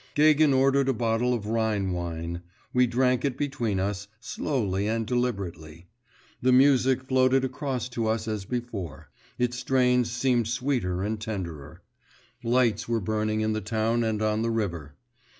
Gagin ordered a bottle of Rhine wine; we drank it between us, slowly and deliberately. The music floated across to us as before, its strains seemed sweeter and tenderer; lights were burning in the town and on the river.